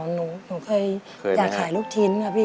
หนูเคยอยากขายลูกชิ้นค่ะพี่